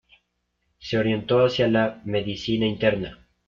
Se orientó hacia la medicina interna.